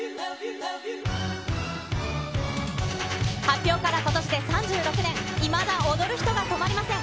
発表からことしで３６年、いまだ踊る人が止まりません。